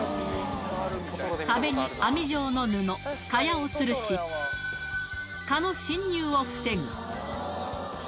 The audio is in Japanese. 壁に網状の布、蚊帳をつるし、蚊の侵入を防ぐ。